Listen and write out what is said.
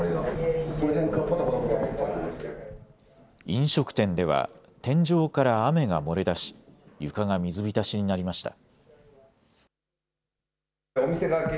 飲食店では天井から雨が漏れ出し床が水浸しになりました。